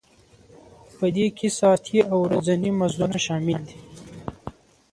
په دې کې ساعتي او ورځني مزدونه شامل دي